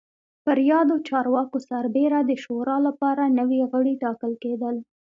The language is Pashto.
پر یادو چارواکو سربېره د شورا لپاره نوي غړي ټاکل کېدل